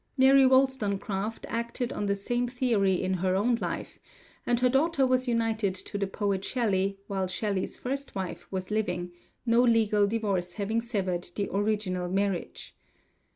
Mary Wolstonecraft acted on the same theory in her own life, and her daughter was united to the poet Shelley while Shelley's first wife was living, no legal divorce having severed the original marriage.